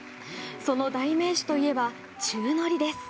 その代名詞といえば宙乗りです。